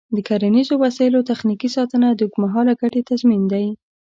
د کرنیزو وسایلو تخنیکي ساتنه د اوږدمهاله ګټې تضمین دی.